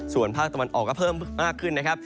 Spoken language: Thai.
ส่วนภาคตะวันออกก็เพิ่มมากขึ้นนะครับ